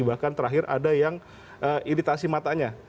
bahkan terakhir ada yang iritasi matanya